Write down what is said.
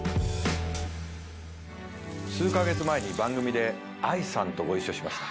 数カ月前に番組でＡＩさんとご一緒しました。